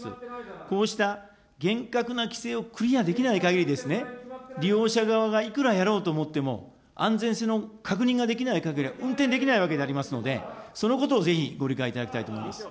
こうした厳格な規制をクリアできないかぎり、利用者側がいくらやろうと思っても、安全性の確認ができないかぎりは、運転できないわけでありますので、そのことをぜひご理解いただきたいと思います。